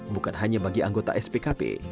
bukan hanya bagi anggota spkp